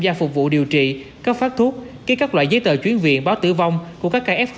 bệnh viện báo tử vong của các kf